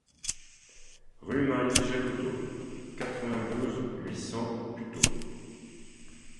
Rue Marius Jacotot, quatre-vingt-douze, huit cents Puteaux